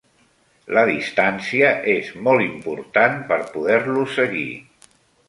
La distància és molt important per poder-lo seguir.